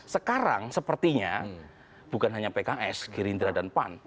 sekarang sepertinya bukan hanya pks gerindra dan pan